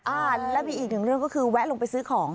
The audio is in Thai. อ่าแล้วมีอีกหนึ่งเรื่องก็คือแวะลงไปซื้อของ